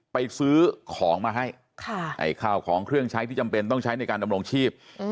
ไปซื้อของมาให้ข้าวของเครื่องใช้ที่จำเป็นต้องใช้ในการดำรงชีพ